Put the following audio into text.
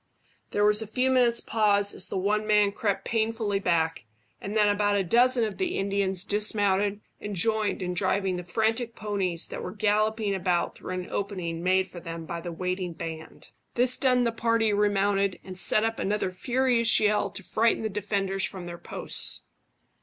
There was a few moments' pause as the one man crept painfully back, and then about a dozen of the Indians dismounted and joined in driving the frantic ponies that were galloping about through an opening made for them by the waiting band. This done the party remounted, and set up another furious yell to frighten the defenders from their posts.